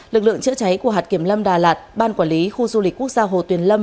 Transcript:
lực lượng chữa cháy của hạt kiểm lâm đà lạt ban quản lý khu du lịch quốc gia hồ tuyền lâm